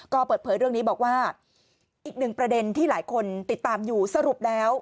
ก็เปิดเผยเรื่องนี้บอกว่าอีกหนึ่งประเด็นที่หลายคนติดตามอยู่สรุปแล้ว